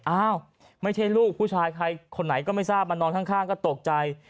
อ้าวไม่ใช่ลูกผู้ชายใครคนไหนก็ไม่ทราบมานอนข้างก็ตกใจ